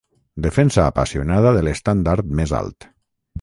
Defensa apassionada de l'estàndard més alt.